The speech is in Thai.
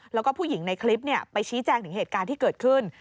แล้วก็ผู้หญิงในคลิปไปชี้แจงถึงเหตุการณ์ที่เกิดขึ้น